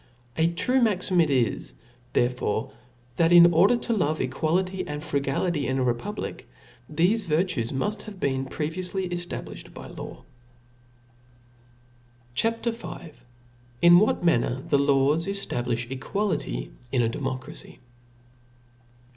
A true maxim it is therefore, that in order to love equality and frugality in a republic, thefc vir tues muft have been previoufly eftabliihed by law. CHAP. «i THESPIRIT CHAP. V. In what manner the Laws ejiablijh Equality in a Democracy.